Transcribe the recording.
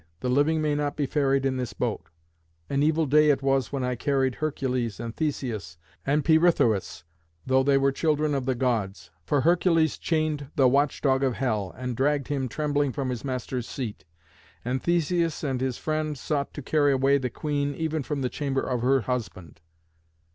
The living may not be ferried in this boat. An evil day it was when I carried Hercules, and Theseus, and Pirithoüs, though they were children of the Gods. For Hercules chained the Watch dog of hell, and dragged him trembling from his master's seat. And Theseus and his friend sought to carry away the Queen even from the chamber of her husband."